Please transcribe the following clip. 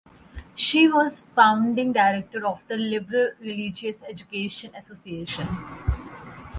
She was founding director of the Liberal Religious Education Association.